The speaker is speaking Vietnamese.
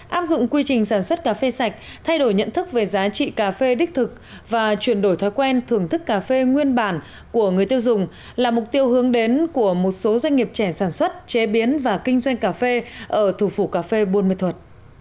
áp dụng quy trình sản xuất cà phê sạch thay đổi nhận thức về giá trị cà phê đích thực và chuyển đổi thói quen thưởng thức cà phê nguyên bản của người tiêu dùng là mục tiêu hướng đến của một số doanh nghiệp trẻ sản xuất chế biến và kinh doanh cà phê ở thủ phủ cà phê buôn ma thuật